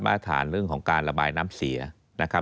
มาตรฐานเรื่องของการระบายน้ำเสียนะครับ